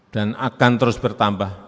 dan akan terus bertambah